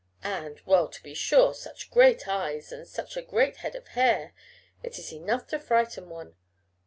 And well, to be sure, such great eyes and such a great head of hair it is enough to frighten one.